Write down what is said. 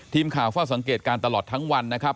ทีมข่าวเฝ้าสังเกตการณ์ตลอดทั้งวันนะครับ